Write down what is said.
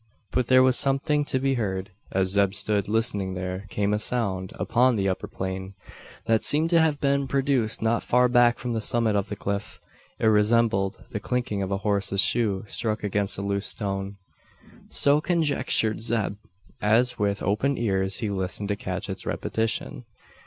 But there was something to be heard. As Zeb stood listening there came a sound from the upper plain, that seemed to have been produced not far back from the summit of the cliff. It resembled the clinking of a horse's shoe struck against a loose stone. So conjectured Zeb, as with open ears he listened to catch its repetition.